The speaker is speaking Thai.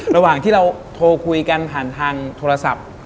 ระหว่างที่เราโทรคุยกันผ่านทางโทรศัพท์